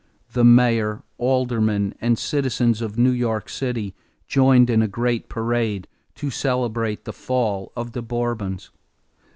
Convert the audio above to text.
The mayor, aldermen, and citizens of New York City joined in a great parade to celebrate the fall of the Bourbons.